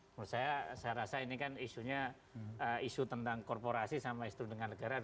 menurut saya saya rasa ini kan isunya isu tentang korporasi sama isu dengan negara